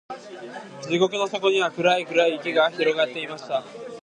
地獄の底には、暗い暗い池が広がっていました。